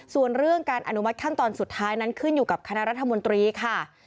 ส่วนเรื่องการอนุมัติขั้นตอนสุดท้ายนั้นขึ้นอยู่กับคณะรัฐมนตรีค่ะ